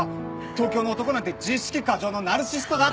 東京の男なんて自意識過剰のナルシストだって。